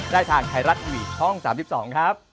ได้ทางไทยรัฐทีวีช่อง๓๒ครับ